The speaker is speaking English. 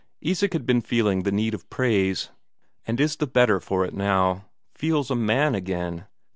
Isak had been feeling the need of praise, and is the better for it now. Feels a man again.